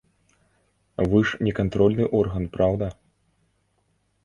Вы ж не кантрольны орган, праўда?